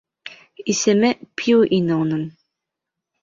Исеме Пью ине уның.